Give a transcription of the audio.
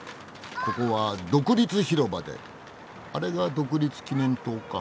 ここは独立広場であれが独立記念塔か。